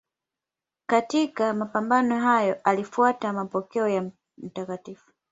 Katika mapambano hayo alifuata mapokeo ya Mt.